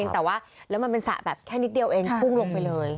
ทำไมมันเป็นสระแบบแค่นิดเดียวเองก็กลุ่มลงไปเลย